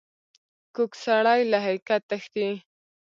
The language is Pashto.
کوږ سړی له حقیقت تښتي